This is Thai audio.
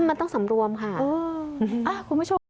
มันต้องสำรวมค่ะ